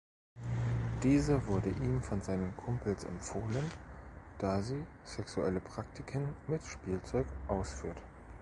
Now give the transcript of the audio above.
Diese wurde ihm von seinen Kumpels empfohlen, da sie sexuelle Praktiken mit Spielzeug ausführt.